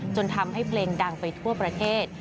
จนทำให้เพลงดังไปทั่วประเทศ